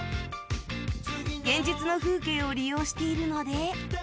現実の風景を利用しているので